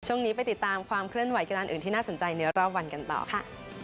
ช่วงนี้ไปติดตามความเคลื่อนไหวกีฬาอื่นที่น่าสนใจในรอบวันกันต่อค่ะ